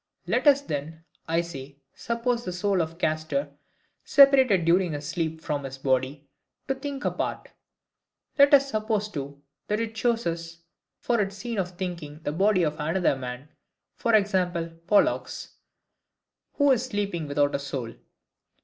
Let us then, I say, suppose the soul of Castor separated during his sleep from his body, to think apart. Let us suppose, too, that it chooses for its scene of thinking the body of another man, v. g. Pollux, who is sleeping without a soul.